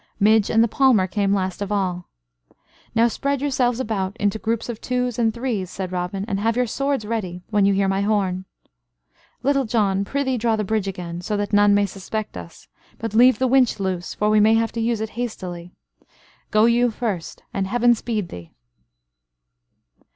Midge and the palmer came last of all. "Now spread yourselves about into groups of twos and threes," said Robin, "and have your swords ready when you hear my horn. Little John, prithee draw the bridge again, so that none may suspect us; but leave the winch loose, for we may have to use it hastily. Go you first, and Heaven speed thee."